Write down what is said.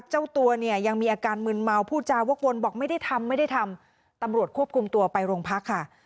เจ้าตัวเนี่ยยังมีอาการมืนเมาผู้จาวกวนบอกไม่ได้ทำไม่ได้ทำตำรวจควบคุมตัวไปโรงพักค่ะ